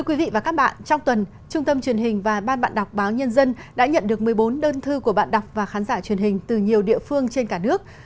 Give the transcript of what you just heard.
quý vị và các bạn trong tuần trung tâm truyền hình và ban bạn đọc báo nhân dân đã nhận được một mươi bốn đơn thư của bạn đọc và khán giả truyền hình từ nhiều địa phương trên cả nước